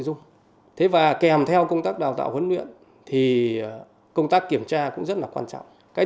dung thế và kèm theo công tác đào tạo huấn luyện thì công tác kiểm tra cũng rất là quan trọng cái